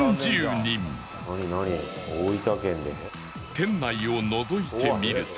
店内をのぞいてみると